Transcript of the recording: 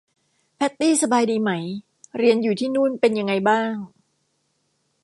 แพทตี้สบายดีไหม เรียนอยู่ที่นู่นเป็นยังไงบ้าง